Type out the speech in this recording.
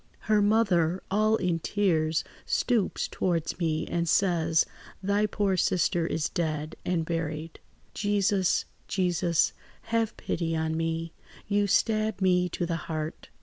"Her mother, all in tears, stoops towards me and says, 'Thy poor sister is dead and buried.' "Jesus! Jesus! Have pity on me! You stab me to the heart.